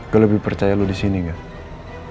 gue lebih percaya lo disini enggak